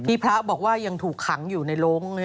พระบอกว่ายังถูกขังอยู่ในโรง